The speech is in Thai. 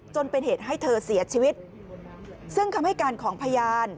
จนเป็นเหตุให้เธอเสียชีวิตซึ่งคำให้การของพยาน